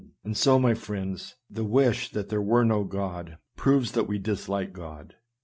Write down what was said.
And so, my friends, the wish that there were no God, proves that we dislike God.